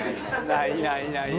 ないないないない。